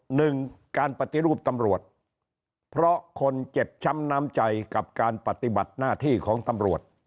หนึ่งการปฏิรูปตำรวจเพราะคนเจ็บช้ำน้ำใจกับการปฏิบัติหน้าที่ของตำรวจ